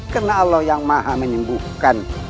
karena allah yang maha menyembuhkan